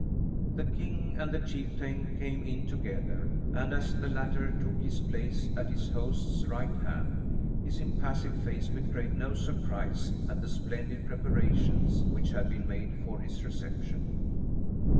The king and the chieftain came in together, and as the latter took his place at his host's right hand, his impassive face betrayed no surprise at the splendid preparations which had been made for his reception.